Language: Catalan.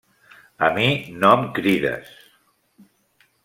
A mi no em crides!